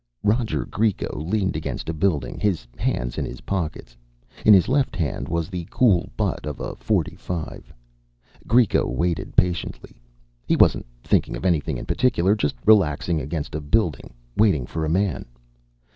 Roger Greco leaned against a building, his hands in his pockets. In his left hand was the cool butt of a .45. Greco waited patiently. He wasn't thinking of anything in particular, just relaxing against a building, waiting for a man.